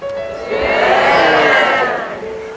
เย็น